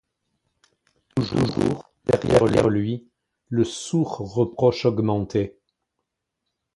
Toujours, derrière lui, le sourd reproche augmentait.